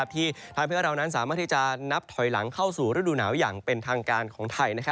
ที่ทำให้เรานั้นสามารถที่จะนับถอยหลังเข้าสู่ฤดูหนาวอย่างเป็นทางการของไทย